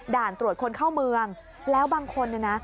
ด่านตรวจคนเข้าเมืองแล้วบางคนเนี่ยนะ